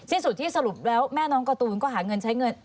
ที่สุดที่สรุปแล้วแม่น้องการ์ตูนก็หาเงินใช้เงิน